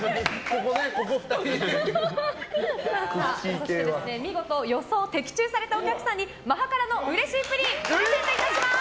そして見事予想を的中されたお客さんにマハカラのうれしいプリンプレゼントいたします！